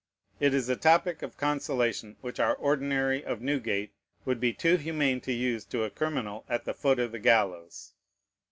It is a topic of consolation which our ordinary of Newgate would be too humane to use to a criminal at the foot of the gallows.